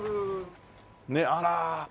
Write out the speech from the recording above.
ねっあら。